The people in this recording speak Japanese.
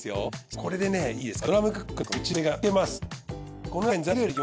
これでねいいですか？